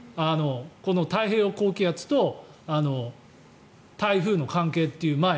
この太平洋高気圧と台風の関係という前。